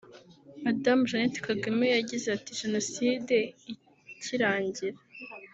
Madamu Jeannette Kagame yagize ati “Jenoside ikirangira